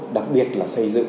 đặc biệt là xây dựng